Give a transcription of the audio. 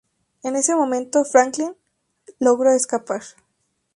En ese momento Franklin logró escapar.